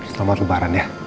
selamat lebaran ya